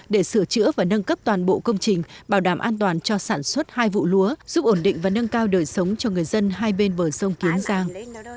để sửa chữa và nâng cấp toàn bộ công trình bảo đảm an toàn cho sản xuất hai vụ lúa giúp ổn định và nâng cao đời sống cho người dân hai bên bờ sông kiến giang